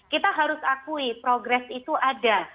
kita harus akui progres itu ada